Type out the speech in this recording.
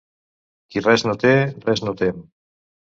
Qui res no té, res no tem.